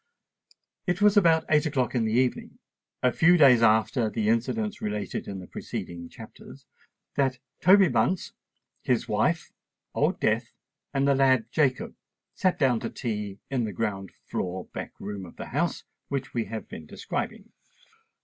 It was about eight o'clock in the evening, a few days after the incidents related in the preceding chapters, that Toby Bunce, his wife, Old Death, and the lad Jacob sate down to tea in the ground floor back room of the house which we have been describing.